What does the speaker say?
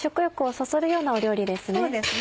そうですね